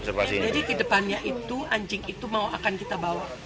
jadi ke depannya itu anjing itu mau akan kita bawa